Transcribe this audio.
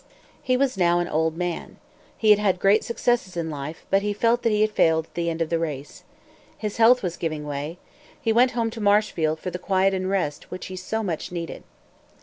He was now an old man. He had had great successes in life; but he felt that he had failed at the end of the race. His health was giving way. He went home to Marshfield for the quiet and rest which he so much needed.